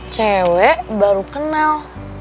cewek baru kenal